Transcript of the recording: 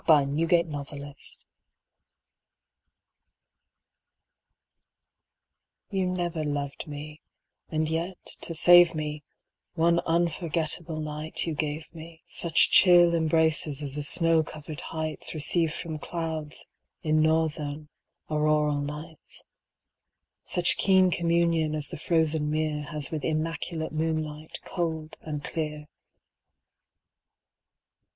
Kashmiri Song by Juma You never loved me, and yet to save me, One unforgetable night you gave me Such chill embraces as the snow covered heights Receive from clouds, in northern, Auroral nights. Such keen communion as the frozen mere Has with immaculate moonlight, cold and clear.